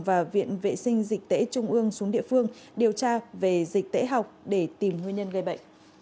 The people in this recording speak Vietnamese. và viện vệ sinh dịch tễ trung ương xuống địa phương điều tra về dịch tễ học để tìm nguyên nhân gây bệnh